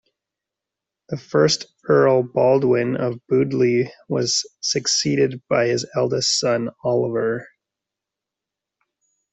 The first Earl Baldwin of Bewdley was succeeded by his eldest son, Oliver.